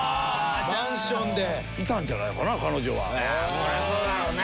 そりゃあそうだろうね。